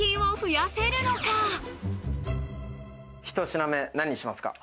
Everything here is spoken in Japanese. １品目何にしますか？